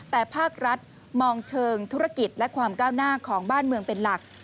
แต่ภาครัฐมองเชิงธุรกิจและความก้าวหน้าของบ้านเมืองเป็นหลัก